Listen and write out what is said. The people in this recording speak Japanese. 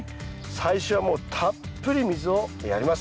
最初はもうたっぷり水をやります。